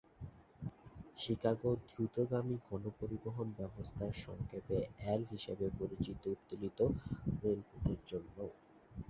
Chicago দ্রুতগামী গণপরিবহন ব্যবস্থা সংক্ষেপে "এল" হিসাবে পরিচিত উত্তোলিত রেলপথের জন্য।